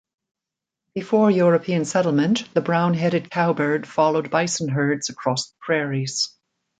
Before European settlement, the brown-headed cowbird followed bison herds across the prairies.